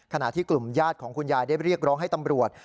ขณะที่กลุ่มญาติของคุณยายได้เรียกร้องให้ตำรวจ